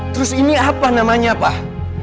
terus ini apa namanya pak